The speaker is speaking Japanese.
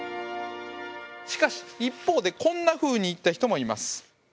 しかし一方でこんなふうに言った人もいます。